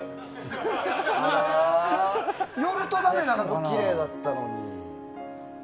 せっかくきれいだったのに。